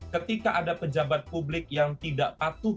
ketika ada pejabat publik yang tidak patuh